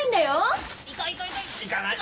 行かない！